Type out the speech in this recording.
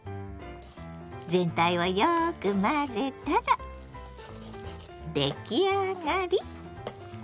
全体をよく混ぜたら出来上がり！